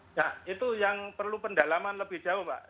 nah itu yang perlu pendalaman lebih jauh pak